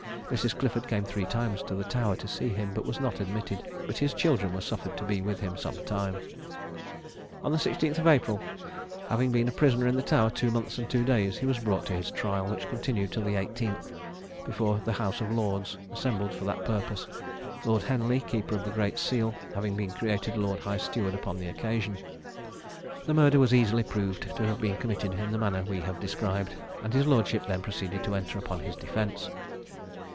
Mrs. Clifford came three times to the Tower to see him, but was not admitted; but his children were suffered to be with him some time. On the 16th of April, having been a prisoner in the Tower two months and two days, he was brought to his trial, which continued till the 18th, before the House of Lords, assembled for that purpose; Lord Henley, keeper of the great seal, having been created lord high steward upon the occasion. The murder was easily proved to have been committed in the manner we have described; and his lordship then proceeded to enter upon his defence.